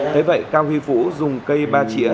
thế vậy cao huy phũ dùng cây ba chĩa